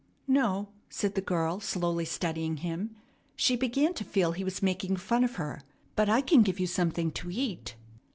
"No," said the girl, slowly studying him she began to feel he was making fun of her; "but I can give you something to eat."